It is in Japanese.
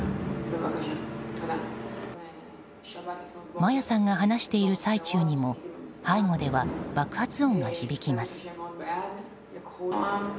マヤさんが話している最中にも背後では爆発音が響きます。